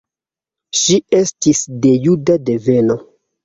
Ŝi estis de juda deveno.